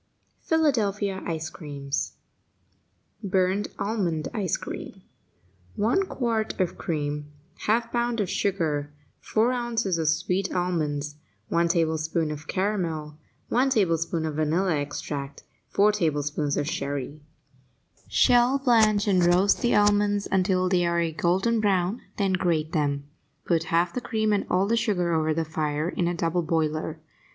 PHILADELPHIA ICE CREAMS BURNT ALMOND ICE CREAM 1 quart of cream 1/2 pound of sugar 4 ounces of sweet almonds 1 tablespoonful of caramel 1 teaspoonful of vanilla extract 4 tablespoonfuls of sherry Shell, blanch and roast the almonds until they are a golden brown, then grate them. Put half the cream and all the sugar over the fire in a double boiler.